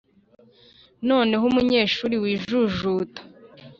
noneho umunyeshuri wijujuta